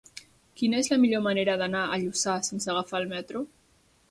Quina és la millor manera d'anar a Lluçà sense agafar el metro?